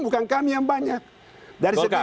bukan kami yang banyak